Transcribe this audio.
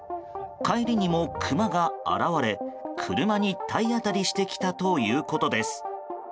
帰りにもクマが現れ車に体当たりしてきたということです。